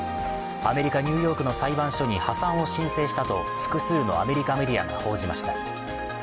アメリカ・ニューヨークの裁判所に破産を申請したと複数のアメリカメディアが報じました。